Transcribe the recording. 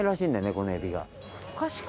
このエビが。